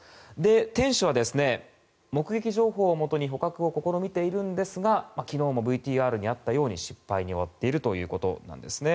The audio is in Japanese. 店主は、目撃情報をもとに捕獲を試みていますが昨日もＶＴＲにあったように失敗に終わっているということです。